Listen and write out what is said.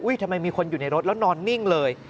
ทำไมมีคนอยู่ในรถแล้วนอนนิ่งเลย